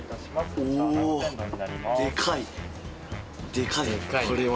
でかいねこれは。